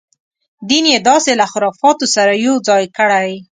دین یې داسې له خرافاتو سره یو ځای کړی.